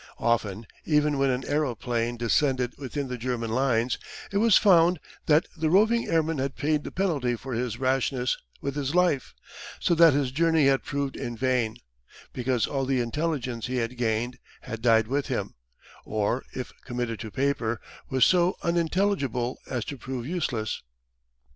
Often, even when an aeroplane descended within the German lines, it was found that the roving airman had paid the penalty for his rashness with his life, so that his journey had proved in vain, because all the intelligence he had gained had died with him, or, if committed to paper, was so unintelligible as to prove useless.